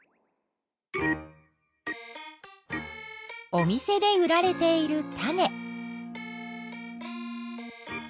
お店で売られている種。